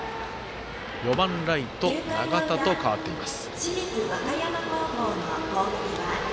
ライト、永田と変わっています。